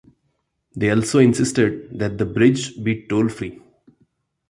They also insisted that the bridge be toll-free.